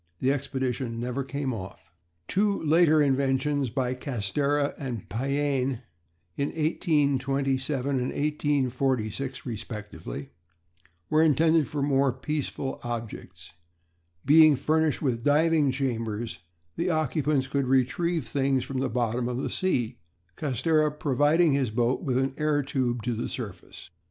This expedition never came off. Two later inventions, by Castera and Payerne, in 1827 and 1846 respectively, were intended for more peaceful objects. Being furnished with diving chambers, the occupants could retrieve things from the bottom of the sea; Castera providing his boat with an air tube to the surface.